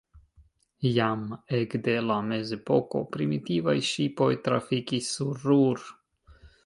Jam ekde la mezepoko primitivaj ŝipoj trafikis sur Ruhr.